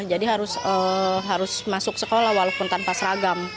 jadi harus masuk sekolah walaupun tanpa seragam